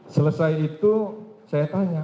selesai itu saya tanya